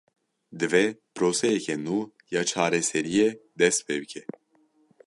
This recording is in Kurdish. Divê proseyeke nû ya çareseriyê dest pê bike.